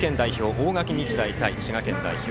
・大垣日大対滋賀県代表